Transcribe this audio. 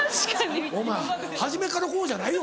お前初めからこうじゃないよ